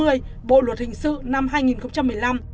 hình phạt tử hình sẽ chuyển xuống trung thần